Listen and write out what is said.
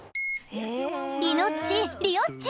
イノッチリオッチ！